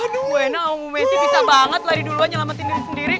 bu ena sama bu me sih bisa banget lari duluan nyelamatin diri sendiri